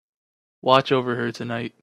Watch over her tonight.